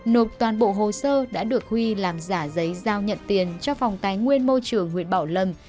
nộp toàn bộ hồ sơ đã được huy làm giả giấy giao nhận tiền cho phòng tài nguyên môi trường huyện bảo lâm